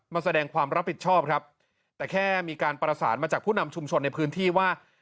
มาแสดงความรับผิดชอบครับแต่แค่มีการประสานมาจากผู้นำชุมชนในพื้นที่ว่า